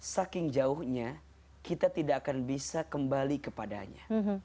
saking jauhnya kita tidak akan bisa kembali kepadanya